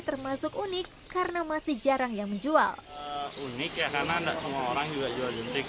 termasuk unik karena masih jarang yang menjual unik ya karena enggak semua orang juga jual yuntik